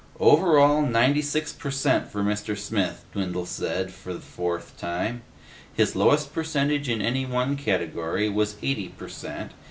"Over all, ninety six per cent for Mr. Smith," Dwindle said for the fourth time. "His lowest percentage in any one category was eighty per cent.